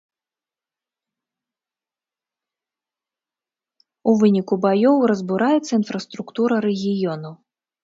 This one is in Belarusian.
У выніку баёў разбураецца інфраструктура рэгіёну.